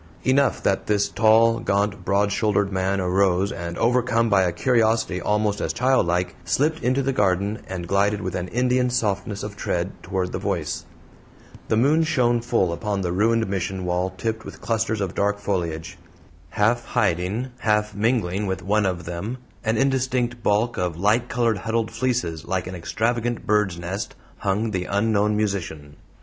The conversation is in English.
Enough that this tall, gaunt, broad shouldered man arose and, overcome by a curiosity almost as childlike, slipped into the garden and glided with an Indian softness of tread toward the voice. The moon shone full upon the ruined Mission wall tipped with clusters of dark foliage. Half hiding, half mingling with one of them an indistinct bulk of light colored huddled fleeces like an extravagant bird's nest hung the unknown musician.